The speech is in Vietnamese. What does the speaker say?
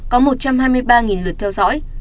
có một trăm hai mươi ba lượt theo dõi